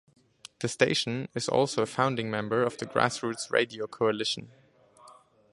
The station is also a founding member of the Grassroots Radio Coalition.